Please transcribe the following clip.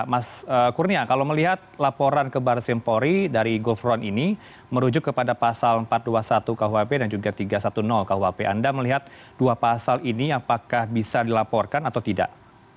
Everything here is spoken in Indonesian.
mas kurnia kalau melihat laporan ke barsimpori dari govron ini merujuk kepada pasal empat ratus dua puluh satu kuhp dan juga tiga ratus sepuluh kuhp anda melihat dua pasal ini apakah bisa dilaporkan atau tidak